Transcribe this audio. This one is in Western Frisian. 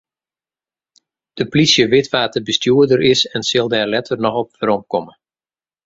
De plysje wit wa't de bestjoerder is en sil dêr letter noch op weromkomme.